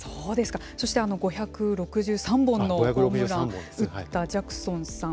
そして５６３本のホームランを打ったジャクソンさん。